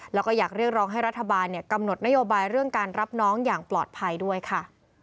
แล้วก็อยากเรียกร้องให้รัฐบาลกำหนดนโยบายเรื่องการรับน้องอย่างปลอดภัยด้วยค่ะ